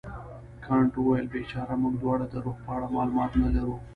کانت وویل بیچاره موږ دواړه د روح په اړه معلومات نه لرو.